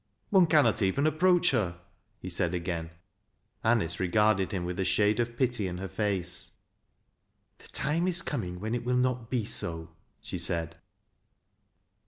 " One cannot even approach her," lie said again. Anice regarded him with a shade of pity in her face "TUSJrj^l METHODT." 213 " Tlie time is coming when it will not be so,'" she said.